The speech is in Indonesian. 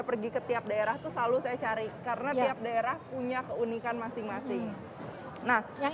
pergi ke tiap daerah itu selalu saya cari karena tiap daerah punya keunikan masing masing nah yang